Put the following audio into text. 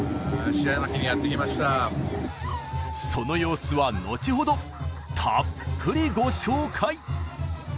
その様子はのちほどたっぷりご紹介！